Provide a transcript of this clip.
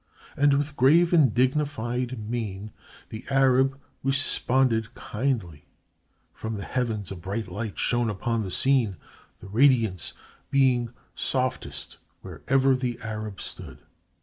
And with grave and dignified mien, the Arab responded kindly. From the heavens a bright light shone upon the scene, the radiance being softest wherever the Arab stood.